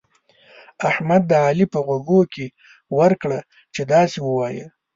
احمد د علي په غوږو کې ورکړه چې داسې ووايه.